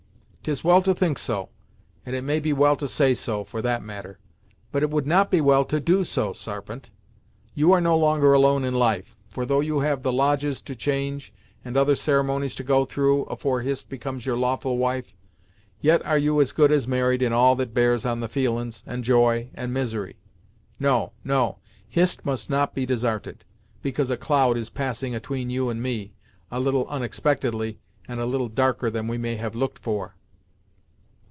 'Tis well to think so, and it may be well to say so, for that matter, but it would not be well to do so, Sarpent. You are no longer alone in life, for though you have the lodges to change, and other ceremonies to go through, afore Hist becomes your lawful wife, yet are you as good as married in all that bears on the feelin's, and joy, and misery. No no Hist must not be desarted, because a cloud is passing atween you and me, a little onexpectedly and a little darker than we may have looked for."